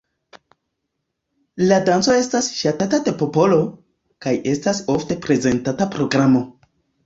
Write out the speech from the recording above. La danco estas ŝatata de popolo, kaj estas ofte prezentata programo.